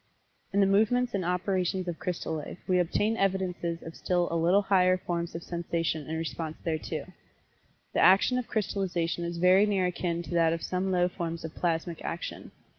In the movements and operations of crystal life we obtain evidences of still a little higher forms of Sensation and response thereto. The action of crystallization is very near akin to that of some low forms of plasmic action.